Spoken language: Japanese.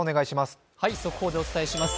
速報でお伝えします。